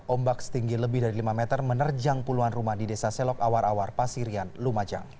ombak setinggi lebih dari lima meter menerjang puluhan rumah di desa selok awar awar pasirian lumajang